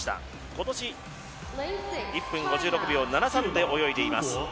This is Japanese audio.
今年、１分５６秒７３で泳いでいます。